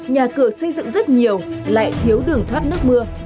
nhà cửa xây dựng rất nhiều lại thiếu đường thoát nước mưa